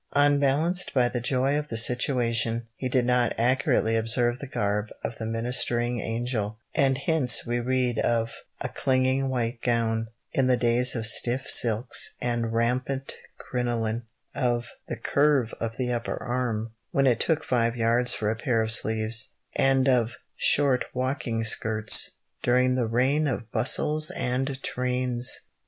Unbalanced by the joy of the situation, he did not accurately observe the garb of the ministering angel, and hence we read of "a clinging white gown" in the days of stiff silks and rampant crinoline; of "the curve of the upper arm" when it took five yards for a pair of sleeves, and of "short walking skirts" during the reign of bustles and trains!